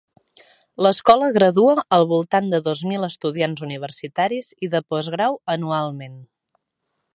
L'escola gradua al voltant de dos mil estudiants universitaris i de postgrau anualment.